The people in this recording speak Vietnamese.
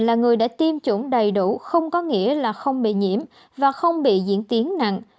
là người đã tiêm chủng đầy đủ không có nghĩa là không bị nhiễm và không bị diễn tiến nặng